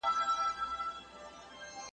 کرۍ ورځ یې مزل کړی وو دمه سو .